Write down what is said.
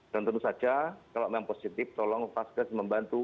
dan tentu saja kalau memang positif tolong fasilitas kesehatan